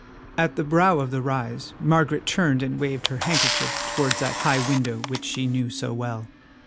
At the brow of the rise Margaret turned and waved her handkerchief towards that high window which she knew so well.